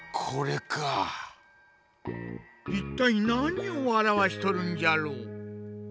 いったいなにをあらわしとるんじゃろ？